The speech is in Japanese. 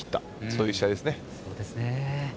そういう試合ですね。